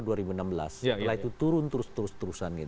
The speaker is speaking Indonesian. setelah itu turun terus terusan